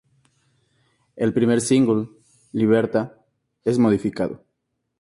El primer single, "Liberta", es modificado.